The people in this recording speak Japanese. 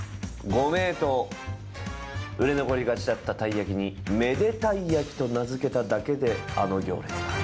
ご名答売れ残りがちだったたい焼きにめでたい焼きと名付けただけであの行列だ。